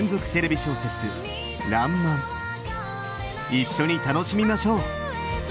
一緒に楽しみましょう！